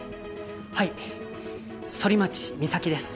はい反町美咲です。